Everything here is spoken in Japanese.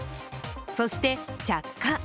そして、着火。